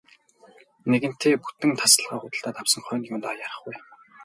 Нэгэнтээ бүтэн тасалгаа худалдаад авсан хойно юундаа яарах вэ.